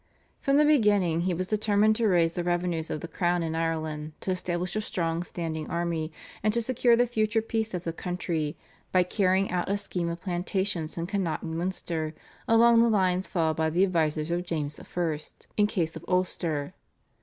From the beginning he was determined to raise the revenues of the crown in Ireland, to establish a strong standing army, and to secure the future peace of the country by carrying out a scheme of plantations in Connaught and Munster along the lines followed by the advisers of James I. in case of Ulster.